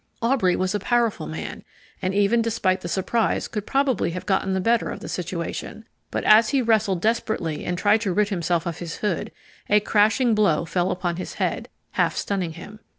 Aubrey was a powerful man, and even despite the surprise could probably have got the better of the situation; but as he wrestled desperately and tried to rid himself of his hood, a crashing blow fell upon his head, half stunning him.